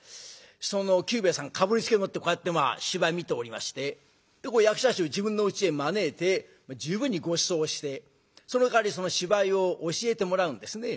その久兵衛さんかぶりつきでもってこうやってまあ芝居見ておりまして役者衆自分のうちへ招いて十分にごちそうしてそのかわりその芝居を教えてもらうんですね。